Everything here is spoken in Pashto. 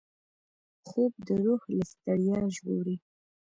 خوب د روح له ستړیا ژغوري